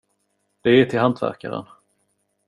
Det är till hantverkaren.